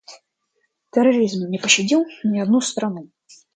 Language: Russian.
Терроризм не пощадил ни одну страну.